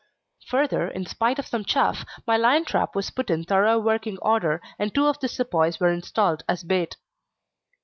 Further, in spite of some chaff, my lion trap was put in thorough working order, and two of the sepoys were installed as bait.